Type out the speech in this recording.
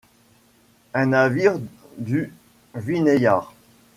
Un navire du Vineyard !